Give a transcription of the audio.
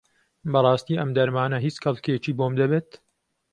بەڕاستی ئەم دەرمانە هیچ کەڵکێکی بۆم دەبێت؟